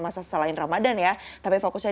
masa selain ramadhan ya tapi fokusnya